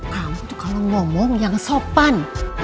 kamu tuh kalau ngomong yang sopan